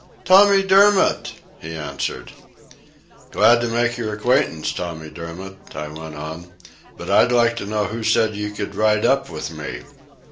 "Tommy Dermott," he answered. "Glad to make your acquaintance, Tommy Dermott," I went on. "But I'd like to know who said you could ride up with me?"